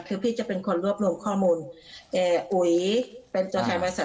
คือพี่จะเป็นคนรวบรวมข้อมูลเอ่ออุ๋ยเป็นตัวแทนบริษัท